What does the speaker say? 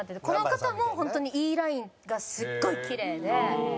この方も本当にＥラインがすっごいキレイで。